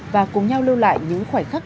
và cùng nhau lưu lại những khoảnh khắc